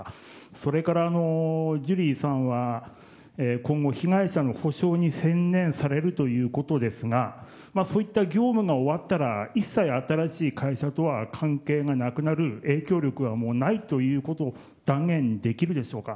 それから、ジュリーさんは今後、被害者の補償に専念されるということですがそういった業務が終わったら一切新しい会社とは関係がなくなる影響力がないということを断言できるでしょうか。